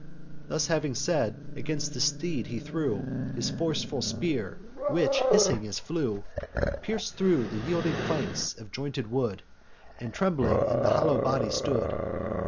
Thus having said, against the steed he threw His forceful spear, which, hissing as it flew, Pierc'd thro' the yielding planks of jointed wood, And trembling in the hollow belly stood.